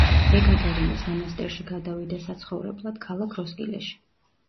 ეკატერინეს მონასტერში გადავიდა საცხოვრებლად, ქალაქ როსკილეში.